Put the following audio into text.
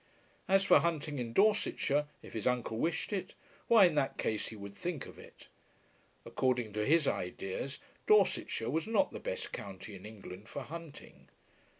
As for hunting in Dorsetshire, if his uncle wished it, why in that case he would think of it. According to his ideas, Dorsetshire was not the best county in England for hunting.